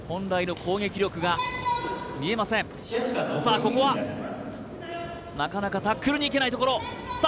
ここはなかなかタックルにいけないところさあ